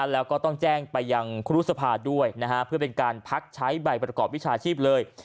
แล้วก็ต้องแจ้งไปยังครูรุษภาด้วยเพื่อเป็นการพักใช้ใบประกอบวิชาชีพเลย